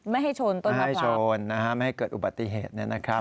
ไม่ให้ชนนะฮะไม่ให้เกิดอุบัติเหตุนะครับ